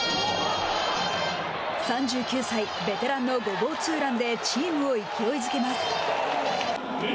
３９歳、ベテランの５号ツーランでチームを勢いづけます。